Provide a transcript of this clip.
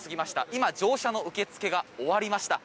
今、乗車の受け付けが終わりました。